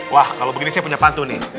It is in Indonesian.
wah kalau begini saya punya pantu nih